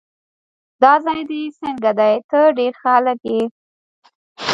دا ځای دې څنګه دی؟ ته ډېر ښه هلک یې.